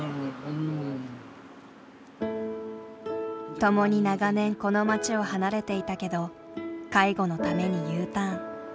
共に長年この町を離れていたけど介護のためにＵターン。